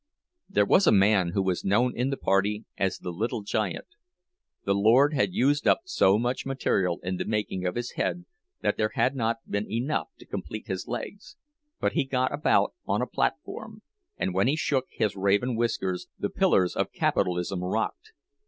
There was a man who was known in the party as the "Little Giant." The Lord had used up so much material in the making of his head that there had not been enough to complete his legs; but he got about on the platform, and when he shook his raven whiskers the pillars of capitalism rocked.